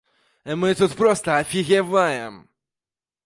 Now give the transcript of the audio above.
Мы тут проста афігеваем!